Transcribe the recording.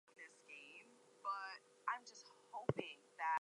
The winners move on to the quarterfinals.